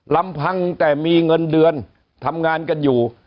ลำพังแต่มีเงินเดือนทำงานกันอยู่